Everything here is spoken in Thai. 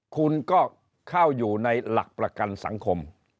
คุณก็เข้าอยู่ในหลักประกันสังคม